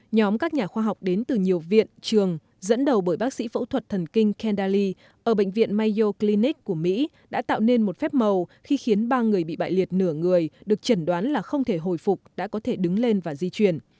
nhóm các nhà khoa học đến từ nhiều viện trường dẫn đầu bởi bác sĩ phẫu thuật thần kinh kendali ở bệnh viện mayo clinic của mỹ đã tạo nên một phép màu khi khiến ba người bị bại liệt nửa người được chẩn đoán là không thể hồi phục đã có thể đứng lên và di chuyển